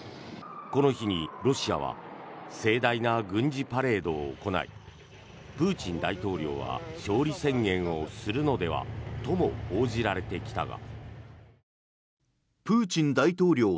この日にロシアは盛大な軍事パレードを行いプーチン大統領は勝利宣言をするのではとも報じられてきたが。